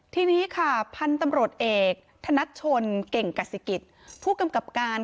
ทีนี้ค่ะพันธุ์ตำรวจเอกธนัดชนเก่งกษิกิจผู้กำกับการ